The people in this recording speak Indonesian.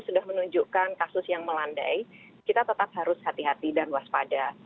sudah menunjukkan kasus yang melandai kita tetap harus hati hati dan waspada